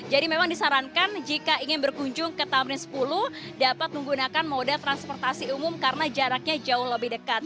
jadi memang disarankan jika ingin berkunjung ke tamrin sepuluh dapat menggunakan mode transportasi umum karena jaraknya jauh lebih dekat